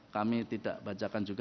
kami tidak bacakan